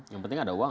yang penting ada uang